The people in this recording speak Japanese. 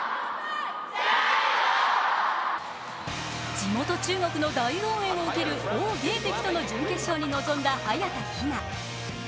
地元・中国の大応援を受ける王ゲイ迪との準決勝に臨んだ早田ひな。